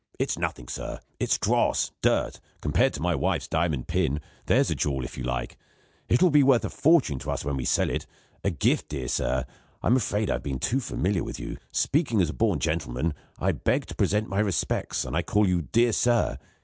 It's nothing, sir; it's dross, it's dirt, compared to my wife's diamond pin! There's a jewel, if you like! It will be worth a fortune to us when we sell it. A gift, dear sir! I'm afraid I've been too familiar with you. Speaking as a born gentleman, I beg to present my respects, and I call you 'dear sir.'